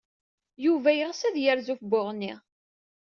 Yuba yeɣs ad yerzu ɣef Buɣni.